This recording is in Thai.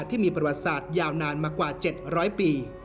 ที่มีประวัติศาสตร์ยาวนานมากว่า๗๐๐ปี